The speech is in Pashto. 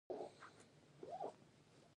هغوی د سړک پر غاړه د سپوږمیز مینه ننداره وکړه.